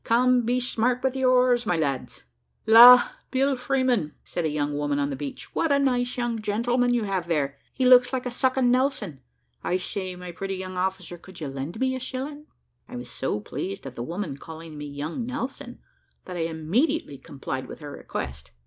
"Come, be smart with your oars, my lads!" "La, Bill Freeman," said a young woman on the beach, "what a nice young gentleman you have there. He looks like a sucking Nelson. I say, my pretty young officer, could you lend me a shilling?" I was so pleased at the woman calling me young Nelson, that I immediately complied with her request.